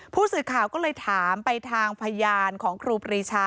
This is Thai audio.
ผู้สื่อข่าวก็เลยถามไปทางพยานของครูปรีชา